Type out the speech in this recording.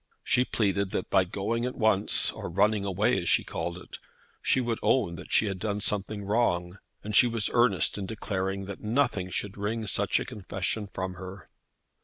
She pleaded that by going at once, or running away as she called it, she would own that she had done something wrong, and she was earnest in declaring that nothing should wring such a confession from her.